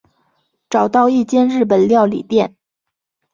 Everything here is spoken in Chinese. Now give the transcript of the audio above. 找到一间日本料理店